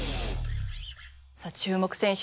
さあ注目選手